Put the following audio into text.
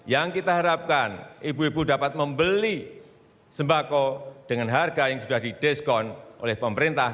yang kita harapkan ibu ibu dapat membeli sembako dengan harga yang sudah didiskon oleh pemerintah